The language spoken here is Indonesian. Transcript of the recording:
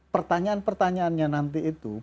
pertanyaan pertanyaannya nanti itu